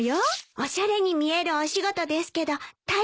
おしゃれに見えるお仕事ですけど大変なんですね。